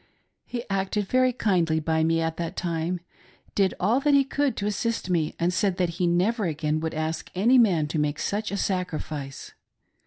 He acted very kindly by me at that time ; did all that he could to assist me, and said that he never again would ask any man to make such a sacrifice.